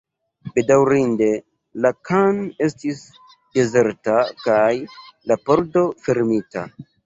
Bedaŭrinde, la khan estis dezerta, kaj la pordo fermita.